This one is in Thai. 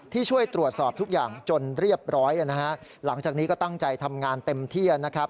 ช่วยตรวจสอบทุกอย่างจนเรียบร้อยนะฮะหลังจากนี้ก็ตั้งใจทำงานเต็มที่นะครับ